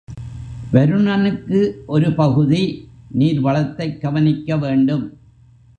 வருணனுக்கு ஒரு பகுதி, நீர் வளத்தைக் கவனிக்க வேண்டும்.